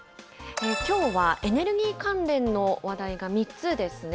きょうはエネルギー関連の話題が３つですね。